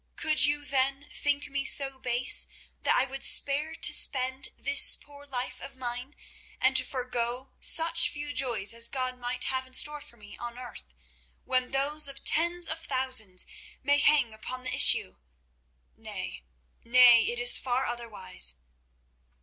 Could you, then, think me so base that I would spare to spend this poor life of mine, and to forego such few joys as God might have in store for me on earth, when those of tens of thousands may hang upon the issue? Nay, nay; it is far otherwise."